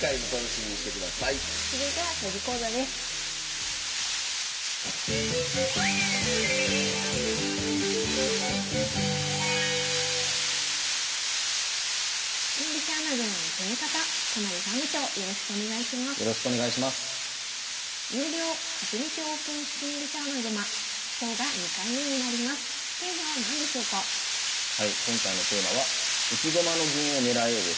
はい今回のテーマは「浮き駒の銀を狙え！」です。